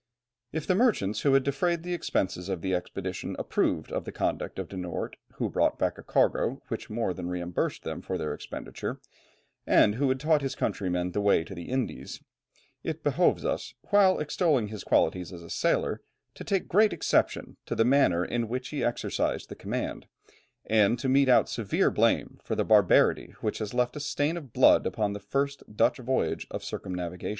If the merchants who had defrayed the expenses of the expedition approved of the conduct of De Noort, who brought back a cargo which more than reimbursed them for their expenditure, and who had taught his countrymen the way to the Indies, it behoves us, while extolling his qualities as a sailor, to take great exception to the manner in which he exercised the command, and to mete out severe blame for the barbarity which has left a stain of blood upon the first Dutch voyage of circumnavigation.